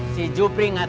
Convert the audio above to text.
si jupri enggak tahu